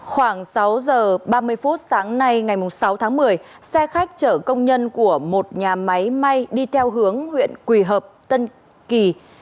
khoảng sáu giờ ba mươi phút sáng nay ngày sáu tháng một mươi xe khách chở công nhân của một nhà máy may đi theo hướng huyện quỳ hợp tân kỳ